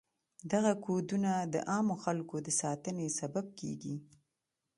دغه کودونه د عامو خلکو د ساتنې سبب کیږي.